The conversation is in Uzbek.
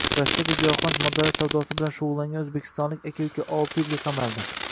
Rossiyada giyohvand moddalar savdosi bilan shug‘ullangan o‘zbekistonlik aka-ukaoltiyilga qamaldi